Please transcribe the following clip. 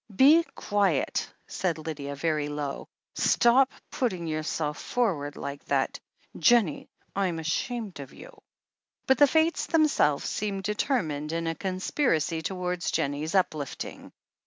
Be quiet," said Lydia very low. "Stop putting yourself forward like that, Jennie — I'm ashamed of you." But the fates themselves seemed determined in a conspiracy towards Jennie's uplifting.